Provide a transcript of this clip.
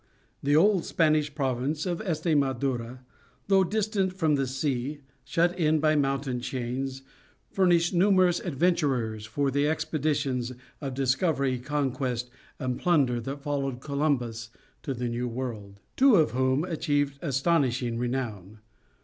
[TN]] The old Spanish province of Estremadura, though distant from the sea, shut in by mountain chains, furnished numerous adventurers for the expeditions of discovery, conquest, and plunder that followed Columbus to the New World; two of whom achieved astonishing renown.